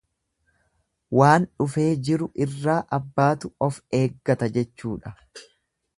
Waan dhufee jiru irraa abbaatu of eggata jechuudha.